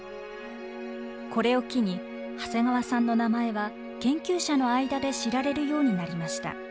これを機に長谷川さんの名前は研究者の間で知られるようになりました。